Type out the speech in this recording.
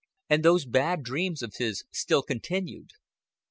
And those bad dreams of his still continued.